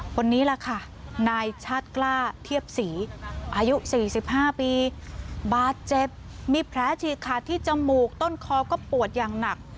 คนนี้แหละค่ะนายชาติกล้าเทียบศรีอายุ๔๕ปีบาดเจ็บมีแผลฉีกขาดที่จมูกต้นคอก็ปวดอย่างหนัก